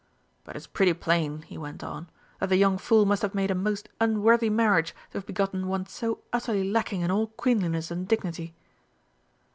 "But it's pretty plain," he went on, "that the young fool must have made a most unworthy marriage to have begotten one so utterly lacking in all queenliness and dignity."